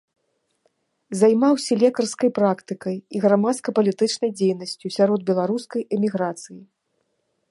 Займаўся лекарскай практыкай і грамадска-палітычнай дзейнасцю сярод беларускай эміграцыі.